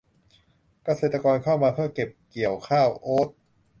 เกษตรกรเข้ามาเพื่อเก็บเกี่ยวข้าวโอ้ต